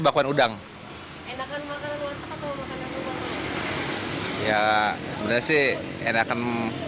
bakwan udang enakan makan ya berhasil enakan